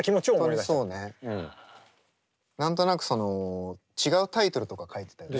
何となく違うタイトルとか書いてたよね。